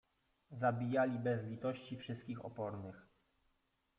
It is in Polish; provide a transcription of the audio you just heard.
Zabijali bez litości wszystkich opornych.